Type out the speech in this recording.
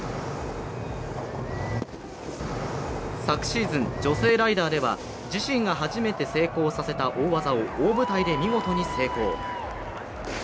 昨シーズン、女性ライダーでは自身が初めて成功させた大技を大舞台で見事に成功。